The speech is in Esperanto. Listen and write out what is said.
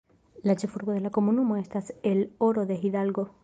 La ĉefurbo de la komunumo estas El Oro de Hidalgo.